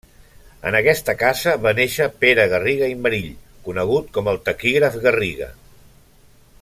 En aquesta casa va néixer Pere Garriga i Marill, conegut com el taquígraf Garriga.